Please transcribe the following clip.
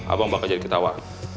abang bakal jadi ketawa